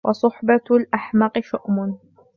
وَصُحْبَةُ الْأَحْمَقِ شُؤْمٌ